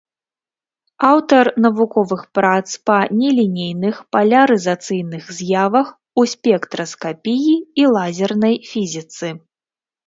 Аўтар навуковых прац па нелінейных палярызацыйных з'явах у спектраскапіі і лазернай фізіцы.